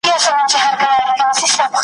چي شاهداني مي د شیخ د جنازې وي وني .